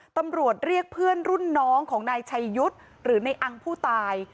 ตำรวจเรียกเพื่อนรุ่นน้องของนายชัยยุทธ์หรือในอังผู้ตาย